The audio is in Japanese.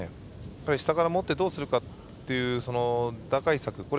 やっぱり下から持ってどうするかという打開策。